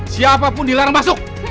siapapun dilarang masuk